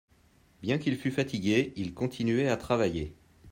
Bien qu'il fût fatigué, il continuait à travailler.